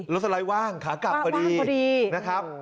สไลด์ว่างขากลับพอดีนะครับ